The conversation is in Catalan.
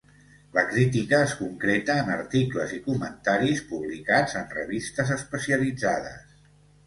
La crítica es concreta en articles i comentaris publicats en revistes especialitzades.